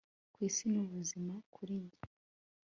kwisi, ni ubuzima kuri njye